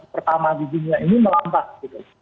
pertama di dunia ini melambat gitu